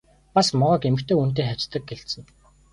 Бас могойг эмэгтэй хүнтэй хавьтдаг гэлцэнэ.